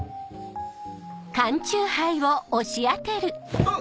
あっ！